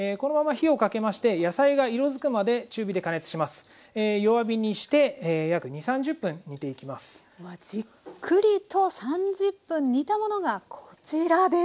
このまま火をかけましてではじっくりと３０分煮たものがこちらです。